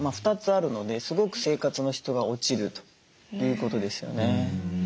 ２つあるのですごく生活の質が落ちるということですよね。